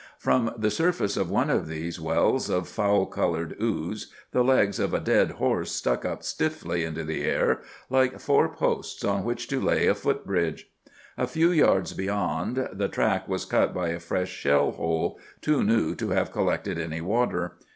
From the surface of one of these wells of foul coloured ooze the legs of a dead horse stuck up stiffly into the air, like four posts on which to lay a foot bridge. A few yards beyond, the track was cut by a fresh shell hole, too new to have collected any water.